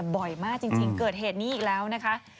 บ่อยมากจริงเกิดเหตุนี้อีกแล้วนะคะ